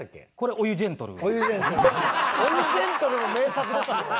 お湯ジェントルも名作ですよ。